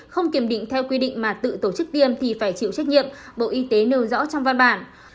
không kiểm định theo quy định mà tự tổ chức tiêm thì phải chịu trách nhiệm bộ y tế nêu rõ trong văn bản